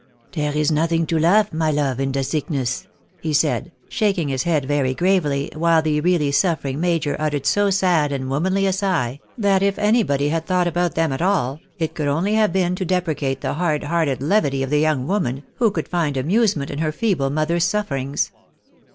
" Der is nothing to laugh, my lof, in de sickness," he said, shaking his head very gravely, while the really suffering major uttered so sad and womanly a sigh, that if anybody had thought about them at all, it could only have been to deprecate the hard hearted levity of the young woman, who could find amusement in her feeble mother's sufferings.